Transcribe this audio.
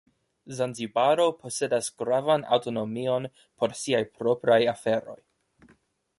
Zanzibaro posedas gravan aŭtonomion por siaj propraj aferoj.